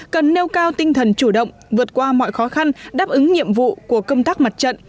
cần nêu cao tinh thần chủ động vượt qua mọi khó khăn đáp ứng nhiệm vụ của công tác mặt trận